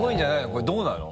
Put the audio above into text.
これどうなの？